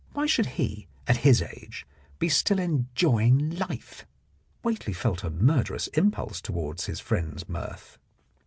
Why should he, at his age, be still enjoying life? Whately felt a murderous impulse towards his friend's mirth.